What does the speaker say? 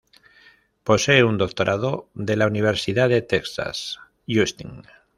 Posee un doctorado de la Universidad de Texas, Austin.